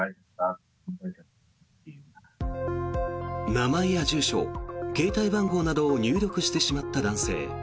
名前や住所、携帯番号などを入力してしまった男性。